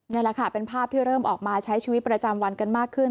นี่แหละค่ะเป็นภาพที่เริ่มออกมาใช้ชีวิตประจำวันกันมากขึ้น